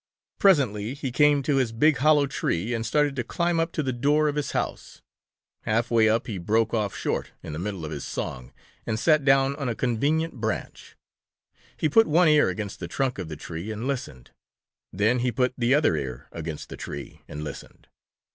Presently he came to his big hollow tree and started to climb up to the door of his house. Half way up he broke off short in the middle of his song and sat down on a convenient branch. He put one ear against the trunk of the tree and listened. Then he put the other ear against the tree and listened.